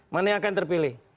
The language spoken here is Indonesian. mana yang akan terpilih